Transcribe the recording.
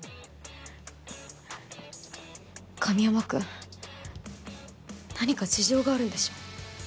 神山君、何か事情があるんでしょう？